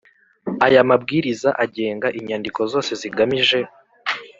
Aya Mabwiriza agenga inyandiko zose zigamije